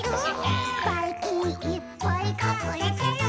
「ばいきんいっぱいかくれてる！」